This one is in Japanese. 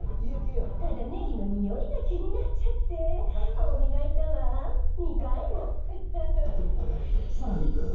ただ、ネギの匂いが気になっちゃって、歯を磨いたわ、２回も。